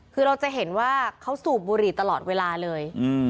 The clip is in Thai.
คือเราจะเห็นว่าเขาสูบบุหรี่ตลอดเวลาเลย